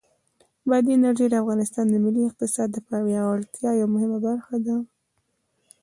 بادي انرژي د افغانستان د ملي اقتصاد د پیاوړتیا یوه مهمه برخه ده.